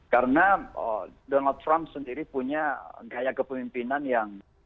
karena donald trump sendiri punya gaya kepemimpinan yang